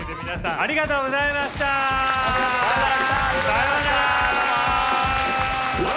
ありがとうございました！さようなら。